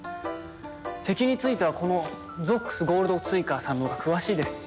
敵についてはこのゾックス・ゴールドツイカーさんのほうが詳しいですし。